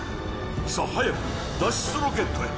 さあ早く脱出ロケットへ。